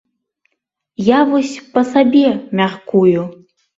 Я вось па сабе мяркую.